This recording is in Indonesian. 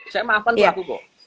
saya maafkan pelaku